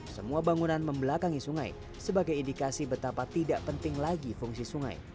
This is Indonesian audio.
semua bangunan membelakangi sungai sebagai indikasi betapa tidak penting lagi fungsi sungai